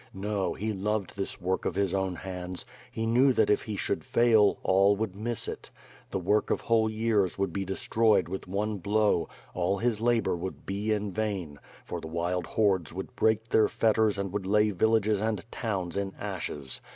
No, he loved this work of his own hands; he knew that if he should fail, all would miss it. The work of whole years would be destroyed with one blow; all his labor would be in vain; for the wild hordes would break their fetters and would lay villages and towns in ashes.